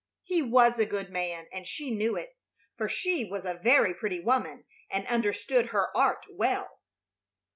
He was a good man, and she knew it, for she was a very pretty woman and understood her art well.